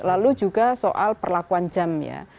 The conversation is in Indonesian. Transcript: lalu juga soal perlakuan jam ya